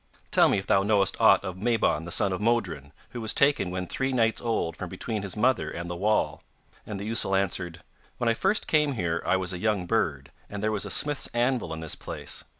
'Tell me if thou knowest aught of Mabon the son of Modron, who was taken when three nights old from between his mother and the wall.' And the ousel answered: 'When I first came here I was a young bird, and there was a smith's anvil in this place.